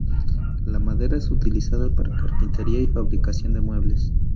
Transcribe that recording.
La madera es utilizada para carpintería y fabricación de muebles.